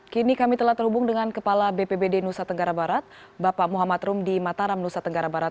kini kami telah terhubung dengan kepala bpbd nusa tenggara barat bapak muhammad rum di mataram nusa tenggara barat